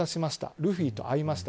ルフィと会いました。